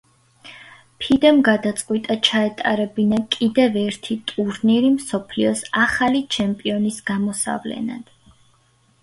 ფიდემ გადაწყვიტა ჩაეტარებინა კიდევ ერთი ტურნირი მსოფლიოს ახალი ჩემპიონის გამოსავლენად.